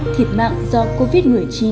thiệt mạng do covid một mươi chín